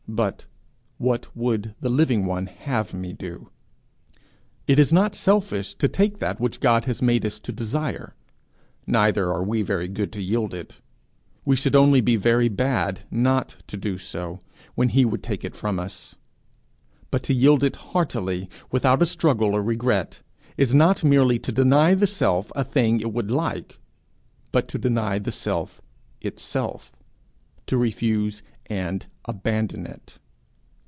but 'What would the Living One have me do?' It is not selfish to take that which God has made us to desire; neither are we very good to yield it we should only be very bad not to do so, when he would take it from us; but to yield it heartily, without a struggle or regret, is not merely to deny the Self a thing it would like, but to deny the Self itself, to refuse and abandon it.